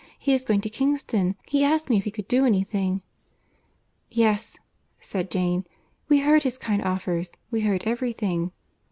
He is going to Kingston. He asked me if he could do any thing...." "Yes," said Jane, "we heard his kind offers, we heard every thing."